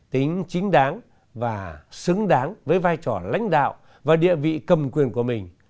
tính chính đáng và xứng đáng với vai trò lãnh đạo và địa vị cầm quyền của mình